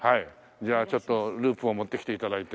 じゃあちょっとループを持ってきて頂いて。